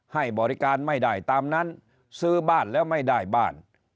ให้บริการไม่ได้ตามนั้นซื้อบ้านแล้วไม่ได้บ้าน